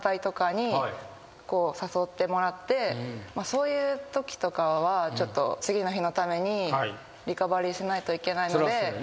そういうときとかはちょっと次の日のためにリカバリーしないといけないので。